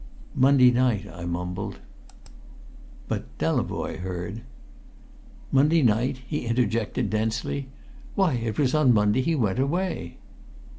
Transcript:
"Monday night," I mumbled. But Delavoye heard. "Monday night?" he interjected densely. "Why, it was on Monday he went away!"